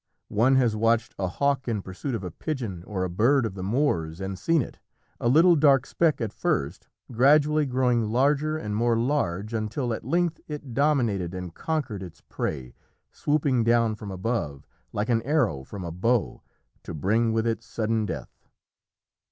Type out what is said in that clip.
One has watched a hawk in pursuit of a pigeon or a bird of the moors and seen it, a little dark speck at first, gradually growing larger and more large until at length it dominated and conquered its prey, swooping down from above, like an arrow from a bow, to bring with it sudden death.